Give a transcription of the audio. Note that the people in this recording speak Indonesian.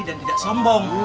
dan tidak sombong